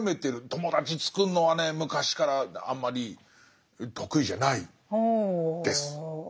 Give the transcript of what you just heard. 友達つくるのはね昔からあんまり得意じゃないです。